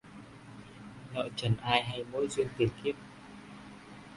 Nợ trần ai hay mối duyên tiền kiếp